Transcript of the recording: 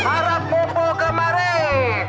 harap kumpul kemaren